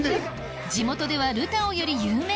地元ではルタオより有名？